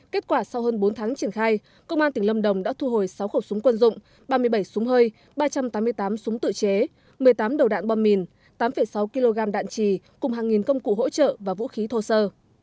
kết quả sau hơn bốn tháng triển khai công an tỉnh lâm đồng đã thu hồi sáu khẩu súng quân dụng ba mươi bảy súng hơi ba trăm tám mươi tám súng tự chế một mươi tám đầu đạn bom mìn tám sáu kg đạn trì cùng hàng nghìn công cụ hỗ trợ và vũ khí thô sơ